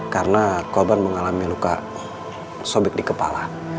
karena korban mengalami luka sobek di kepala